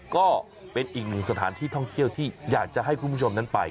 ก็เป็นอีกหนึ่งสถานที่ท่องเที่ยวที่อยากจะให้คุณผู้ชมนั้นไป